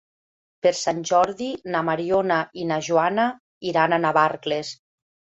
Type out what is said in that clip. Per Sant Jordi na Mariona i na Joana iran a Navarcles.